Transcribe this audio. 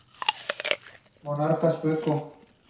Sólo Bosnia y Herzegovina y Rusia dieron cero puntos a Dinamarca.